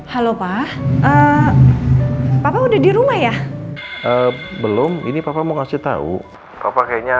halo pak eh papa udah di rumah ya belum ini papa mau ngasih tahu papa kayaknya apa di rumah sakit dulu ya